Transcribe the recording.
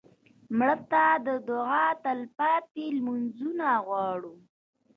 مړه ته د دعا تلپاتې لمونځونه غواړو